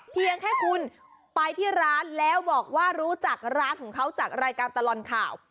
เพียงแค่คุณไปที่ร้านแล้วบอกว่ารู้จักร้านของเขาจากรายการตลอดข่าว